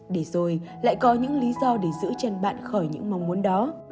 để rồi lại có những lý do để giữ chân bạn khỏi những mong muốn đó